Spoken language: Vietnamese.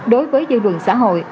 đối với dân đường xã hội